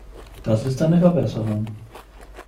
Das ist eine Verbesserung.